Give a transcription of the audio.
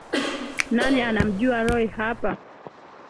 Nani anamjua Roy hapa